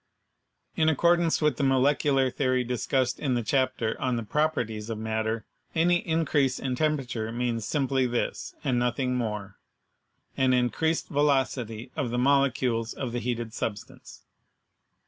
In accordance with the molecular theory discussed in the chapter on the Properties of Matter, any increase in temperature means simply this, and nothing more — an increased velocity of the molecules of the heated substance.